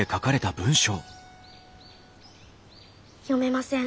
読めません。